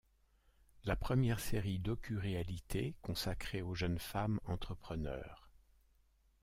La première série docu-réalité consacré aux jeunes femmes entrepreneures.